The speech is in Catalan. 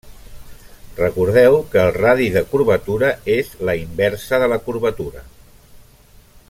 Recordeu que el radi de curvatura és la inversa de la curvatura.